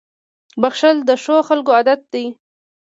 • بښل د ښو خلکو عادت دی.